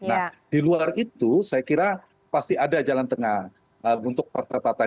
nah di luar itu saya kira pasti ada jalan tengah untuk partai partai